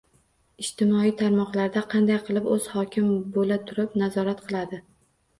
Ijtimoiy tarmoqlarda "Qanday qilib o‘zi hokim bo‘la turib, nazorat qiladi?"